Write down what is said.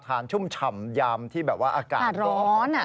ชุ่มฉ่ำยำที่แบบว่าอากาศร้อน